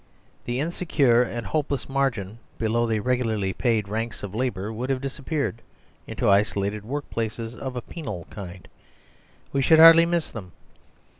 The insecure and hopeless margin below the regularly paid ranks of labour would have disappeared into isolated work places of a penal kind : we should hardly miss them.